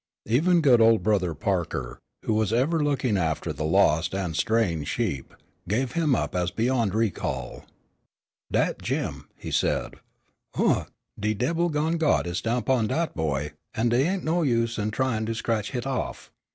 Even good old Brother Parker, who was ever looking after the lost and straying sheep, gave him up as beyond recall. "Dat Jim," he said, "Oomph, de debbil done got his stamp on dat boy, an' dey ain' no use in tryin' to scratch hit off."